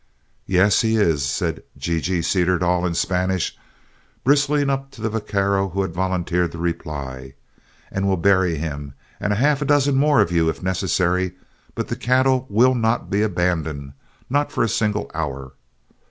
"Yes, he is," said G G Cederdall in Spanish, bristling up to the vaquero who had volunteered the reply; "and we'll bury him and a half dozen more of you if necessary, but the cattle will not be abandoned not for a single hour.